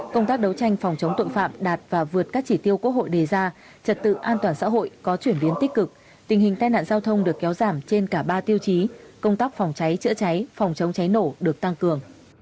công tác đấu tranh phòng chống tội phạm đạt và vượt các chỉ tiêu quốc hội đề ra trật tự an toàn xã hội có chuyển biến tích cực tình hình tai nạn giao thông được kéo giảm trên cả ba tiêu chí công tác phòng cháy chữa cháy phòng chống cháy nổ được tăng cường